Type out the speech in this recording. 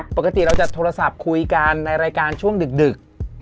ปกติเราจะโทรศัพท์คุยกันในรายการช่วงดึก